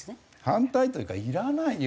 反対というかいらないよ。